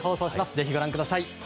ぜひ、ご覧ください。